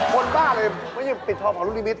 บนบ้าเลยไม่ใช่ปิดทองของลูกนิมิต